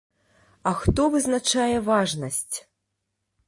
А хто вызначае важнасць?